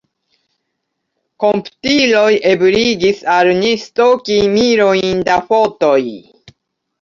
Komputiloj ebligis al ni stoki milojn da fotoj.